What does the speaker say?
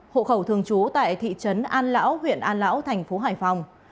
hộ khẩu thường trú tại thị trấn an lão huyện an lão thành phố hải phòng